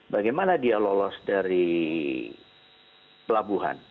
bagaimana dia lolos dari pelabuhan